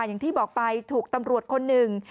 อย่างที่บอกไปถูกตำรวจคนหนึ่ง